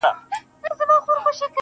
د خپل ښايسته خيال پر رنگينه پاڼه~